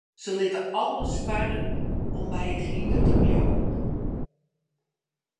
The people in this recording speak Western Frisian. Se litte alles farre om by it hynder te bliuwen.